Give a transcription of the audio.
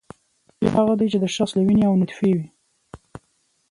زوی هغه دی چې د شخص له وینې او نطفې وي